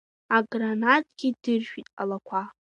Агранатгьы дыршәит алақәа.